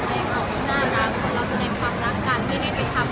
ก็อีกอย่างเงี้ยตรงนี้ก็ล๊อคอาแบบอะไรคนทางก็เราไม่ได้คิดอะไรอยู่แล้ว